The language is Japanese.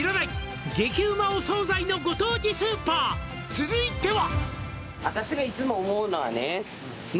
「続いては」